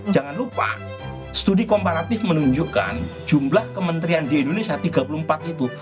jangan lupa studi komparatif menunjukkan jumlah kementerian di indonesia tiga puluh empat itu